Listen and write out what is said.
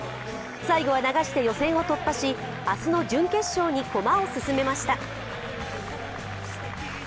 最後は流して予選を突破し、明日の準決勝に駒を進めました。